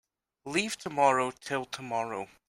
Leave tomorrow till tomorrow.